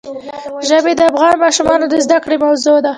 ژبې د افغان ماشومانو د زده کړې موضوع ده.